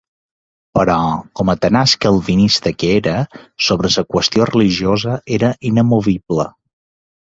Però, coma tenaç calvinista que era, sobre la qüestió religiosa era inamovible.